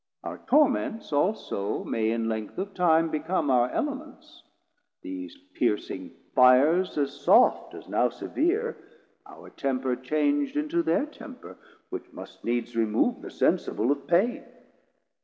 Our torments also may in length of time Become our Elements, these piercing Fires As soft as now severe, our temper chang'd Into their temper; which must needs remove The sensible of pain.